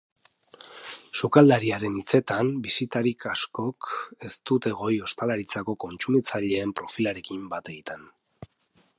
Sukaldariaren hitzetan, bisitarik askok ez dute goi ostalaritzako kontsumitzaileen profilarekin bat egiten.